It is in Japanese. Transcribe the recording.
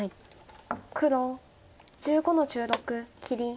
黒１５の十六切り。